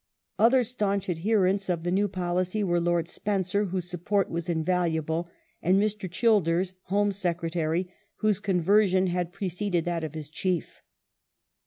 Other staunch adherents of the new policy were Lord Spencer, whose support was invaluable, and Mr. Childers (Home Secretary), whose conversion had preceded that of his Chief.